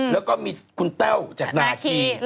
แล้วก็มีคุณแต้วจากนาคี